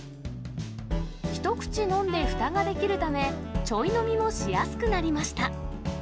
一口飲んで、ふたができるため、ちょい飲みもしやすくなりました。